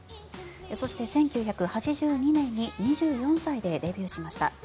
そして、１９８２年に２４歳でデビューしました。